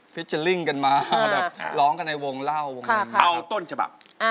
ฟิเจอร์ลิ่งกันมาแบบร้องกันในวงเล่า